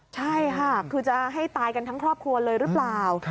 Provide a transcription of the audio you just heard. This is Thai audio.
ใช่ค่ะคือจะให้ตายกันทั้งครอบครัวเลยหรือเปล่า